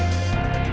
berjuang untuk apa